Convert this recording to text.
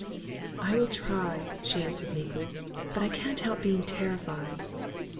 "I will try," she answered meekly; "but I can't help being terrified."